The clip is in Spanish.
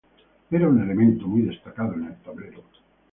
Era un elemento muy destacado en el tablero.